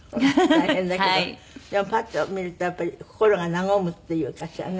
大変だけどパッと見るとやっぱり心が和むっていうかしらね。